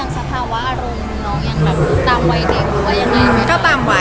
สภาวะอารมณ์น้องยังตามวัยเด็กหรือว่าอย่างไร